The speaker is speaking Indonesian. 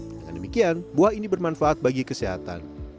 dengan demikian buah ini bermanfaat bagi kesehatan